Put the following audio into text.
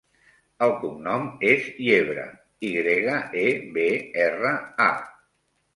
El cognom és Yebra: i grega, e, be, erra, a.